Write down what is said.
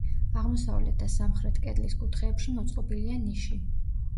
აღმოსავლეთ და სამხრეთ კედლის კუთხეებში მოწყობილია ნიში.